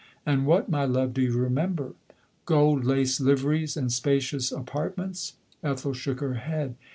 " And what, my love, do you remember ? Gold laced liveries and spacious apartments ?" Ethel shook her head.